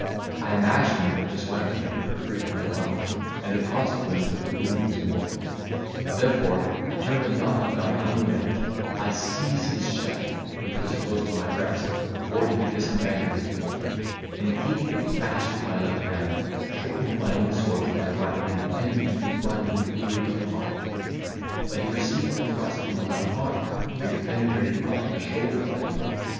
I imagined that his weapon had perforated my lungs, and of consequence that the wound was mortal; therefore, determined not to die unrevenged, I seized his shell, which was close to my breast, before he could disentangle his point, and, keeping it fast with my left hand, shortened my own sword with my right, intending to run him through the heart; but he received the thrust in the left arm, which penetrated up to the shoulder blade.